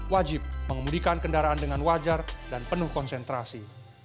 wajib mengemudikan kendaraan dengan wajar dan penuh konsentrasi